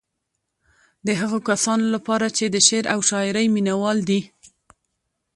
د هغو کسانو لپاره چې د شعر او شاعرۍ مينوال دي.